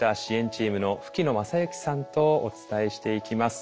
シームの吹野昌幸さんとお伝えしていきます。